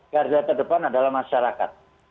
garis garis terdepan adalah masyarakat